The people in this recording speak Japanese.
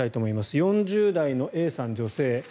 ４０代のＡさん、女性。